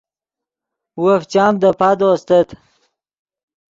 وف چام دے پادو استت